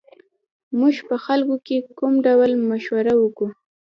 موږ به خلکو ته کوم ډول مشوره ورکوو